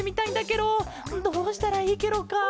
ケロどうしたらいいケロか？